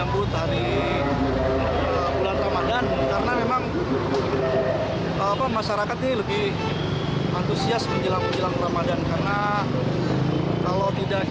kegiat gabungan gabung bopp dan jajaran kecamatan tanah abang penelitian kawasan pasar tanah abang